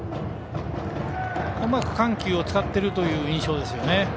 うまく緩急を使ってるという印象ですよね。